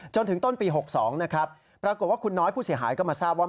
จนถึงต้นปี๖๒นะครับปรากฏว่าคุณน้อยผู้เสียหายก็มาทราบว่า